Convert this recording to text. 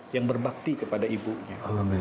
yang berbakti kepada ibunya